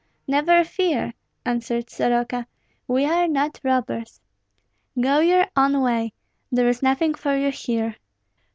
"Never fear!" answered Soroka; "we are not robbers." "Go your own way; there is nothing for you here."